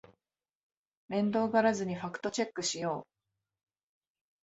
面倒がらずにファクトチェックしよう